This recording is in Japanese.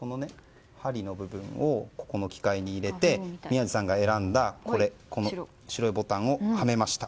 針の部分をこの機械に入れて宮司さんが選んだ白いボタンをはめました。